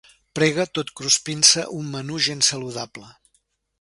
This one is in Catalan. Prega tot cruspint-se un menú gens saludable.